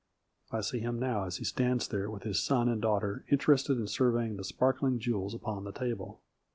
I see him now as he stands there with his son and daughter interested in surveying the sparkling jewels upon the table.